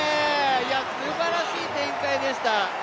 いや、すばらしい展開でした。